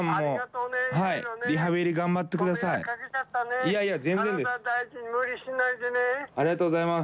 いやいや全然です。